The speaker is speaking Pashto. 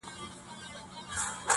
خوار ژاړي هغه خاوري زړه ژوندی غواړي_